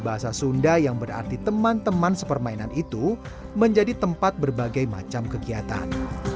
bahasa sunda yang berarti teman teman sepermainan itu menjadi tempat berbagai macam kegiatan